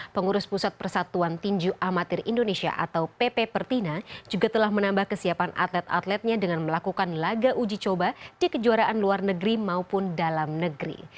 pengurus pusat persatuan tinju amatir indonesia atau pp pertina juga telah menambah kesiapan atlet atletnya dengan melakukan laga uji coba di kejuaraan luar negeri maupun dalam negeri